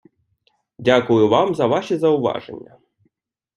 дякую вам за ваші зауваження!